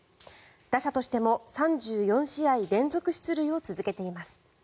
打者としても３４試合連続出塁を続けています。